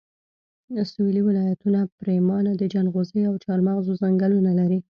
سويلي ولایتونه پرېمانه د جنغوزیو او چارمغزو ځنګلونه لري